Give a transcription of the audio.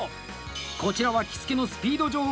こちらは「着付のスピード女王」